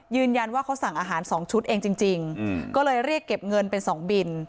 ยืนยันว่าเขาสั่งอาหารสองชุดเองจริงก็เลยเรียกเก็บเงินเป็นสองบิน